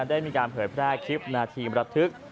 ได้มีการเผยแพร่คลิปนาทีมระทึก